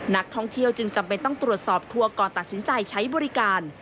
นักท่องเที่ยวจึงจำเป็นต้องตรวจสอบทัวร์ก่อนตัดสินใจใช้บริการ